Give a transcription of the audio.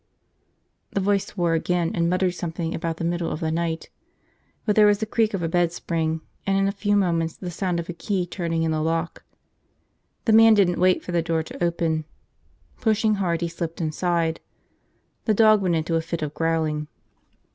The voice swore again and muttered something about the middle of the night, but there was the creak of a bedspring and in a few moments the sound of a key turning in the lock. The man didn't wait for the door to open. Pushing hard, he slipped inside. The dog went into a fit of growling.